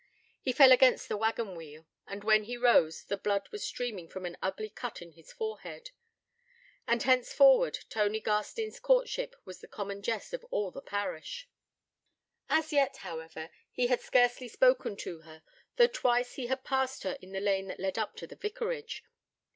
He fell against the waggon wheel, and when he rose the blood was streaming from an ugly cut in his forehead. And henceforward Tony Garstin's courtship was the common jest of all the parish. As yet, however, he had scarcely spoken to her, though twice he had passed her in the lane that led up to the vicarage.